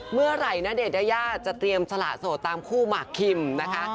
เมื่อไหร่ณเดชนยายาจะเตรียมสละโสดตามคู่หมากคิมนะคะ